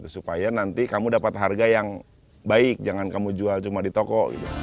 supaya nanti kamu dapat harga yang baik jangan kamu jual cuma di toko